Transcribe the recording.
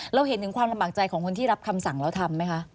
เราเห็นถึงความลำบากใจของคนที่รับคำสั่งแล้วทำไหมคะ